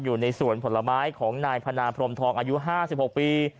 อยู่ในส่วนผลไม้ของนายพนาพรมทองอายุห้าสิบหกปี